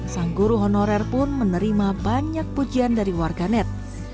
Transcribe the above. sang guru honorer pun menerima banyak pujian dari warganet